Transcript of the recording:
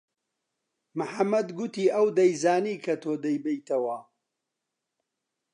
محەممەد گوتی ئەو دەیزانی کە تۆ دەیبەیتەوە.